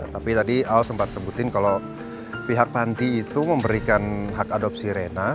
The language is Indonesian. tapi tadi al sempat sebutin kalau pihak panti itu memberikan hak adopsi rena